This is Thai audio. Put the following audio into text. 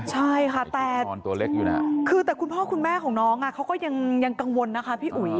ใช่ค่ะแต่คุณพ่อคุณแม่ของน้องเขาก็ยังกังวลนะคะพี่อุ๋ย